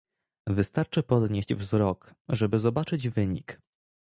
Wystarczy podnieść wzrok, żeby zobaczyć wynik